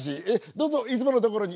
どうぞいつものところに。